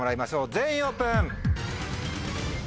全員オープン！